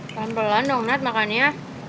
pelan pelan dong nath makan ya